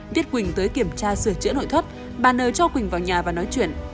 viết quỳnh tới kiểm tra sửa chữa nội thuật bà nờ cho quỳnh vào nhà và nói chuyện